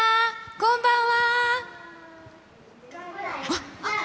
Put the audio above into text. こんばんは。